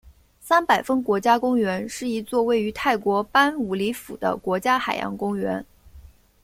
三百峰国家公园是一座位于泰国班武里府的国家海洋公园。